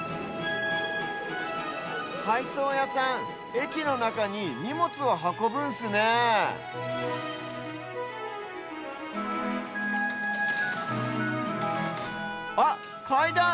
はいそうやさんえきのなかににもつをはこぶんすねえあっかいだん！